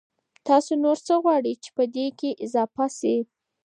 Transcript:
تاسو نور څه غواړئ چي پدې کي اضافه سي؟